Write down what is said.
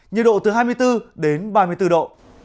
nhiệt độ từ hai mươi bốn đến ba mươi bốn độ